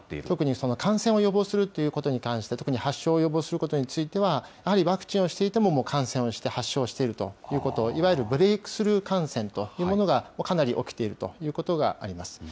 特に感染を予防するということに関して、特に発症を予防することについては、やはりワクチンをしていても感染をして、発症しているということ、いわゆるブレークスルー感染というものがかなり起きているということがあります。